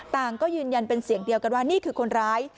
ก็ยืนยันเป็นเสียงเดียวกันว่านี่คือคนร้าย